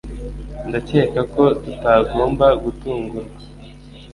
Ndakeka ko tutagomba gutungurwa